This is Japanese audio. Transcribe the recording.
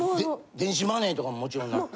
電子マネーとかももちろんなくて。